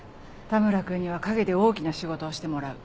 田村君には陰で大きな仕事をしてもらう。